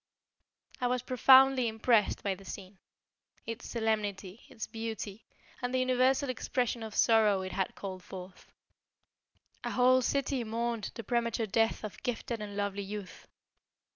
I was profoundly impressed by the scene. Its solemnity, its beauty, and the universal expression of sorrow it had called forth. A whole city mourned the premature death of gifted and lovely youth.